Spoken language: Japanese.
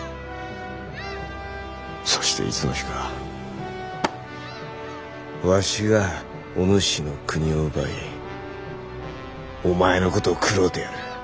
そしていつの日かわしがお主の国を奪いお前のことを食ろうてやる。